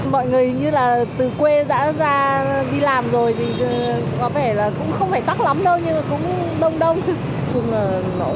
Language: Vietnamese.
mọi người như là từ quê đã ra đi làm rồi thì có vẻ là cũng không phải tắc lắm đâu nhưng cũng đông đông